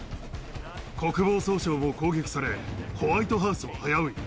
国防総省も攻撃され、ホワイトハウスも危うい。